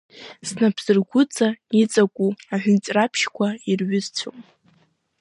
Снапсыргәыҵа иҵаку аҳәынҵәраԥшьқәа ирҩызцәоуп.